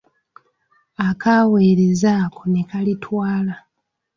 Akaweereza ako ne kalitwala.